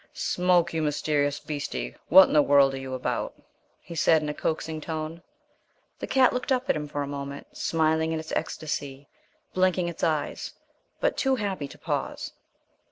"Smoke, you mysterious beastie, what in the world are you about?" he said, in a coaxing tone. The cat looked up at him for a moment, smiling in its ecstasy, blinking its eyes, but too happy to pause.